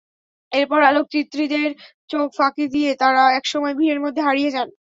এরপর আলোকচিত্রীদের চোখ ফাঁকি দিয়ে তাঁরা একসময় ভিড়ের মধ্যে হারিয়ে যান।